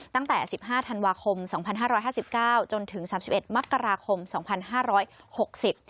ตั้งแต่สิบห้าธันวาคมสองพันห้าร้อยห้าสิบเก้าจนถึงสามสิบเอ็ดมกราคมสองพันห้าร้อยหกสิบ